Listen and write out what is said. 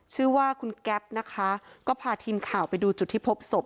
ชื่อว่าคุณแก๊ปนะคะก็พาทีมข่าวไปดูจุดที่พบศพ